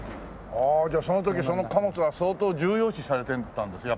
ああじゃあその時その貨物は相当重要視されてたんでしょ？